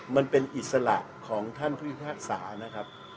มันเป็นอิสระของท่านผู้พิพากษานะครับ